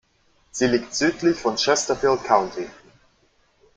Sie liegt südlich von Chesterfield County.